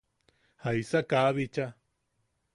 ¿Jaisa kaa bicha?